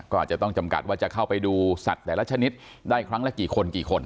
ก็อาจจะต้องจำกัดว่าจะเข้าไปดูสัตว์แต่ละชนิดได้ครั้งละกี่คนกี่คน